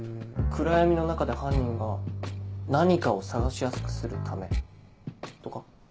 暗闇の中で犯人が何かを探しやすくするためとか？